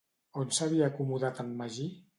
On s'havia acomodat en Magí?